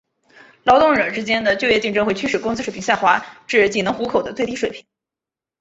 劳动者之间的就业竞争会驱使工资水平下滑至仅能糊口的最低水平。